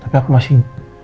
tapi aku masih